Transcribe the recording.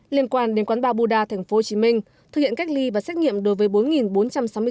liên quan đến quán ba bù đa tp hcm thực hiện cách ly và xét nghiệm đối với